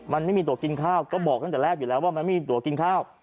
มันไม่มีตัวกินข้าวก็บอกตั้งแต่แรกอยู่แล้วว่ามันไม่มีตัวกินข้าว